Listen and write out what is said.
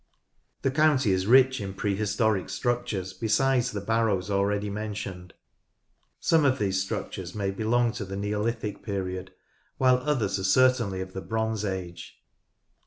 The county is rich in prehistoric structures besides the barrows already mentioned. Some of these structures may belong to the Neolithic period, while others are certainly of the Bronze Age.